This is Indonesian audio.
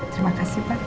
terima kasih pak